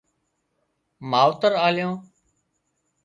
ماوتر آليان